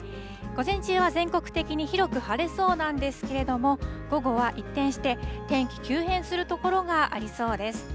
午前中は全国的に広く晴れそうなんですけれども、午後は一転して、天気急変する所がありそうです。